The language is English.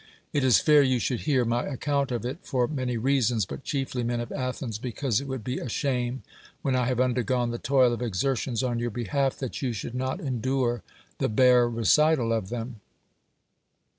It is fair you should hear my account of it for many reasons, but chiefly, men of Athens, because it would be a shame, when I have undergone the toil of exertions on your behalf, that you should not endure the bare recital of them.